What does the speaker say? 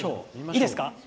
いいですか。